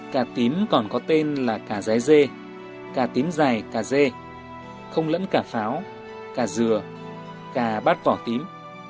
cà tím còn có tên là cà giái dê cà tím dài cà dê không lẫn cà pháo cà dừa cà bát vỏ tím